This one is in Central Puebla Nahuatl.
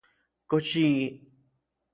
¿Kox yi...?